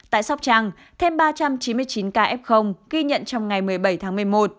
tại sóc trăng thêm ba trăm chín mươi chín ca f ghi nhận trong ngày một mươi bảy tháng một mươi một